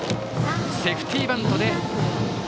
セーフティーバント。